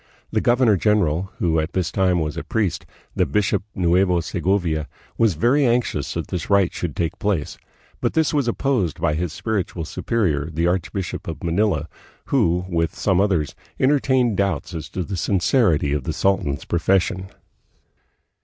The governor general, who at this time was a priest, the bishop of Nueva Segovia, was very anxious that the rite should take place; but this was opposed by his spiritual superior, the archbishop of Manila, who, with some others, entertained doubts as to the sincerity of the sultan's profession.